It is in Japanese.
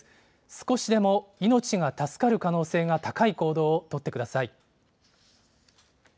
少しでも命が助かる可能性が高い行動を取ってください。